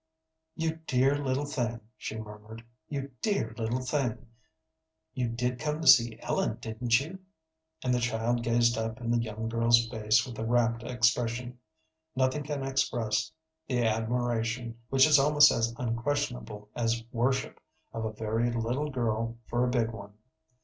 "You dear little thing!" she murmured, "you dear little thing! You did come to see Ellen, didn't you?" And the child gazed up in the young girl's face with a rapt expression. Nothing can express the admiration, which is almost as unquestionable as worship, of a very little girl for a big one.